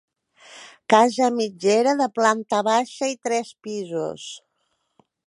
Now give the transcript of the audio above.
Casa mitgera de planta baixa i tres pisos.